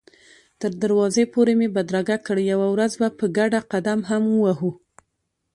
تر دروازې پورې مې بدرګه کړ، یوه ورځ به په ګډه قدم هم ووهو.